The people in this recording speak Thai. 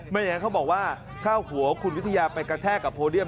อย่างนั้นเขาบอกว่าถ้าหัวคุณวิทยาไปกระแทกกับโพเดียม